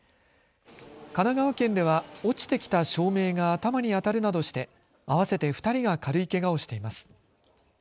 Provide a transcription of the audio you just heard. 神奈川県では落ちてきた照明が頭に当たるなどして合わせて２人が軽いけがをしています。